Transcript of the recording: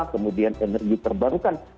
kemudian energi perbarukan